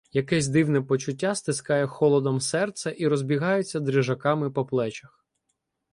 Якесь дивне почуття стискає холодом серце і розбігається дрижаками по плечах.